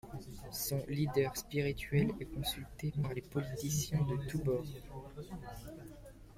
Son leader spirituel est consulté par les politiciens de tous bords.